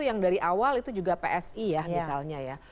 yang dari awal itu juga psi ya misalnya ya